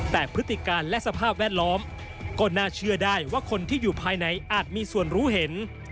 แต่พฤติการและสภาพแวดล้อมก็น่าเชื่อได้ว่าคนที่อยู่ภายในอาจมีส่วนรู้เห็น